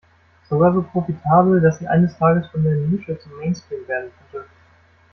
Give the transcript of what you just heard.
Sogar so profitabel, dass sie eines Tages von der Nische zum Mainstream werden könnte.